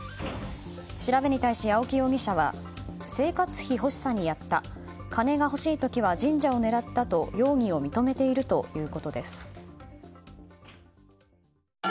調べに対し、青木容疑者は生活費欲しさにやった金が欲しい時は神社を狙ったと容疑を認めているということです。